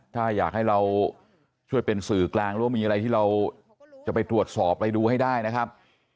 ถ้าอยากให้เราช่วยเป็นสื่อกลางหรือว่ามีอะไรที่เราจะไปตรวจสอบอะไรดูให้ได้นะครับ